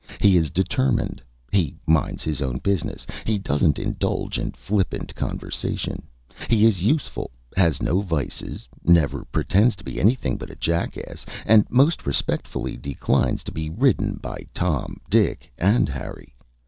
He is determined. He minds his own business. He doesn't indulge in flippant conversation. He is useful. Has no vices, never pretends to be anything but a jackass, and most respectfully declines to be ridden by Tom, Dick, and Harry.